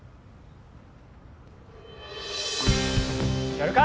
やるか。